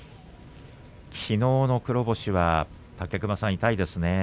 きのうの黒星は武隈さん、痛いですね。